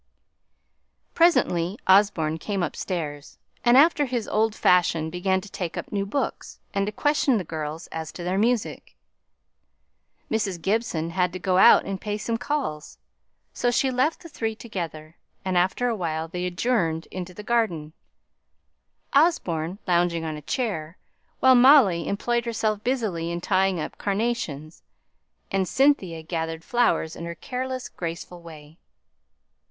Presently, Osborne came upstairs, and, after his old fashion, began to take up new books, and to question the girls as to their music. Mrs. Gibson had to go out and pay some calls, so she left the three together; and after a while they adjourned into the garden, Osborne lounging on a chair, while Molly employed herself busily in tying up carnations, and Cynthia gathered flowers in her careless, graceful way.